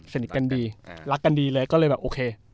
สนิทกันดีรักกันดีเลยก็เลยแบบโอเค